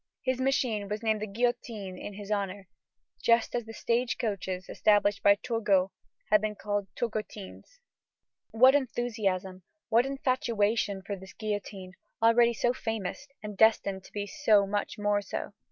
His machine was named guillotine in his honor, just as the stage coaches established by Turgot had been called turgotines. What enthusiasm, what infatuation, for this guillotine, already so famous and destined to be so much more so!